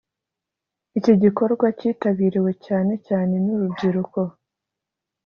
iki gikorwa cyitabiriwe cyane cyane n’urubyiruko